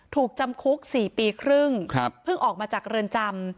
ถูกจำคุก๔ปีครึ่งเพิ่งออกมาจากเรือนจำ